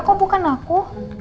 kok bukan aku